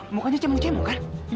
mukanya cemuk cemuk kan